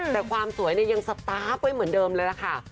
แต่ความสวยเนี่ยยังสตาร์ฟเหมือนเดิมเลยละค่ะ